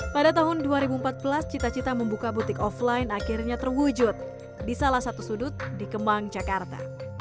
pada tahun dua ribu empat belas cita cita membuka butik offline akhirnya terwujud di salah satu sudut di kemang jakarta